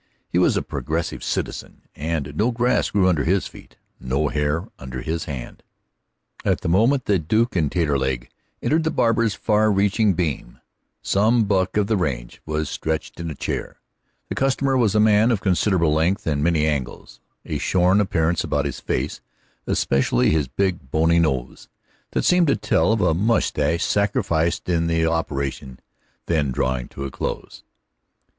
He was a progressive citizen, and no grass grew under his feet, no hair under his hand. At the moment that the Duke and Taterleg entered the barber's far reaching beam, some buck of the range was stretched in the chair. The customer was a man of considerable length and many angles, a shorn appearance about his face, especially his big, bony nose, that seemed to tell of a mustache sacrificed in the operation just then drawing to a close.